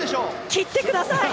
切ってください！